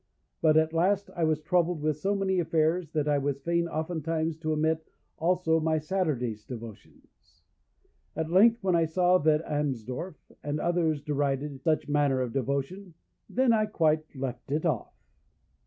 But at last I was troubled with so many affairs, that I was fain oftentimes to omit also my Saturday's devotions. At length, when I saw that Amsdorff and others derided such manner of devotion, then I quite left it off.